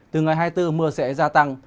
từ ngày hai mươi bốn mưa sẽ gia tăng